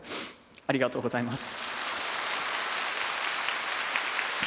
ありがとうございます。